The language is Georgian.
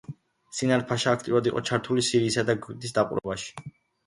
სინან-ფაშა აქტიურად იყო ჩართული სირიისა და ეგვიპტის დაპყრობაში.